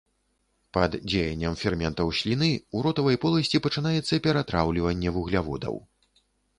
Пад дзеяннем ферментаў сліны ў ротавай поласці пачынаецца ператраўліванне вугляводаў.